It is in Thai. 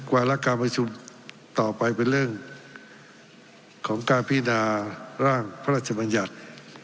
วาระการประชุมต่อไปเป็นเรื่องของการพินาร่างพระราชบัญญัติ